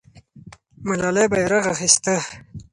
ملالۍ بیرغ اخیسته.